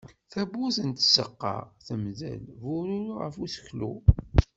Tawwurt n tzeqqa temdel, bururu ɣef useklu.